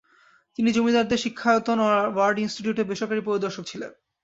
তিনি জমিদারদের শিক্ষায়তন ওয়ার্ড ইনস্টিটিউটের বেসরকারি পরিদর্শক ছিলেন।